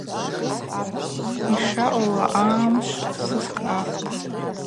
Йшаъула, амшв сыскӏ афтӏ.